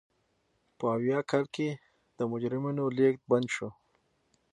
په ویاه کال کې مجرمینو لېږد بند شو.